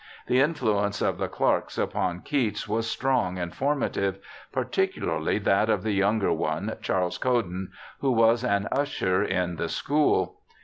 The influence of the Clarkes upon Keats was strong and formative, particularly that of the younger one, Charles Cowden, who was an usher in the school.